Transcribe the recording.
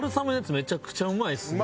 めちゃくちゃうまいですね。